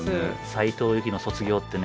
斉藤由貴の「卒業」ってね。